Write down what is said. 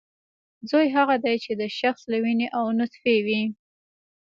زوی هغه دی چې د شخص له وینې او نطفې وي